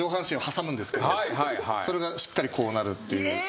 それがしっかりこうなるっていう。